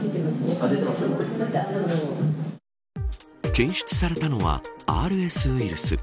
検出されたのはＲＳウイルス。